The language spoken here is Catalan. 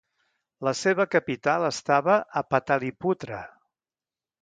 La seva capital estava a Pataliputra.